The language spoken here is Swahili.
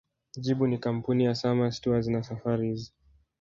Jibu ni Kampuni ya Samâs Tours and Safaris